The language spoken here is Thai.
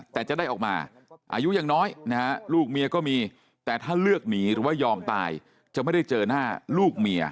แต่จะได้ออกมาอายุยังน้อยนะฮะลูกเมียก็มีแต่ถ้าเลือกหนีหรือว่ายอมตายจะไม่ได้เจอหน้าลูกเมีย